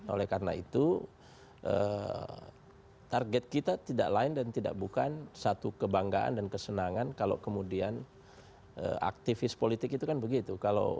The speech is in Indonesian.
oleh karena itu target kita tidak lain dan tidak bukan satu kebanggaan dan kesenangan kalau kemudian aktivis politik itu kan begitu